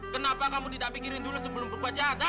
kenapa kamu tidak pikirin dulu sebelum berubah jatah